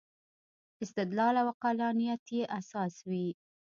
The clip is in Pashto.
استدلال او عقلانیت یې اساس وي.